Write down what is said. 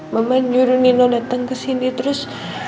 mama juru nino datang kesini terus